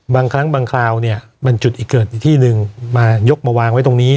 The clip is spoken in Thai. บางครั้งบางคราวเนี่ยมันจุดอีกเกิดอีกที่หนึ่งมายกมาวางไว้ตรงนี้